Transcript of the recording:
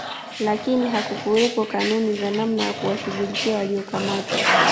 Lakini hakukuwepo kanuni za namna ya kuwashughulikia waliokamatwa